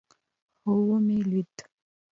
هو ومې لېد.